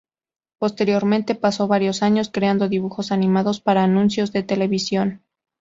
Posteriormente pasó varios años creando dibujos animados para anuncios de televisión.